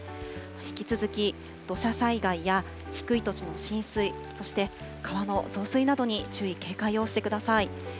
引き続き土砂災害や低い土地の浸水、そして川の増水などに注意、警戒をしてください。